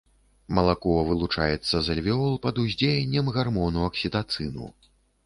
Малако вылучаецца з альвеол пад уздзеяннем гармону аксітацыну.